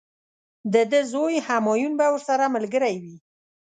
د ده زوی همایون به ورسره ملګری وي.